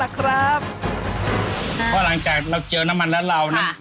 ก็หลังจากเราเจอน้ำมันแล้วเรา